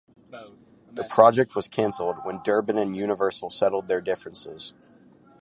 The project was canceled when Durbin and Universal settled their differences.